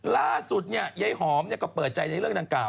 ล่าสุดยายหอมก็เปิดใจในเรื่องดังกล่า